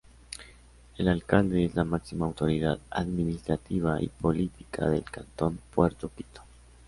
El Alcalde es la máxima autoridad administrativa y política del Cantón Puerto Quito.